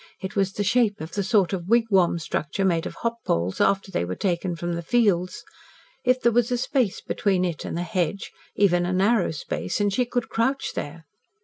It was the shape of the sort of wigwam structure made of hop poles, after they were taken from the fields. If there was space between it and the hedge even a narrow space and she could crouch there?